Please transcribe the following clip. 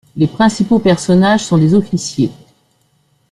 Les principaux personnages sont des officiers.